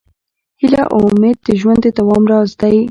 هیله او امید د ژوند د دوام راز دی.